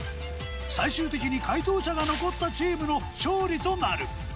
最終的に解答者が残ったチームの勝利となる。